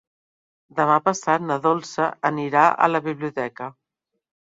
Demà passat na Dolça anirà a la biblioteca.